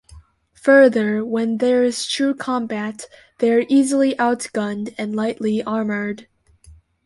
Further, when there is true combat they are easily outgunned and lightly armored.